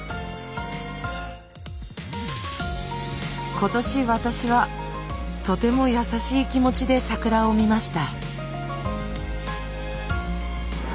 今年私はとても優しい気持ちで桜を見ました。